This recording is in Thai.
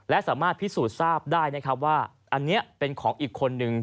และสามารถพิสูจน์ทราบได้นะครับว่าอันนี้เป็นของอีกคนนึง